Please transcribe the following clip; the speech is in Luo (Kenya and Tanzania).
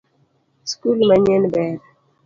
Skul manyien ber